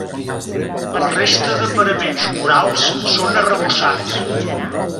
La resta de paraments murals són arrebossats.